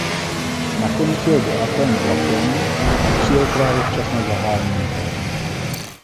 Nakonec jel do Athén vlakem a přijel právě včas na zahájení her.